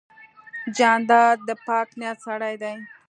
جانداد د پاک نیت سړی دی.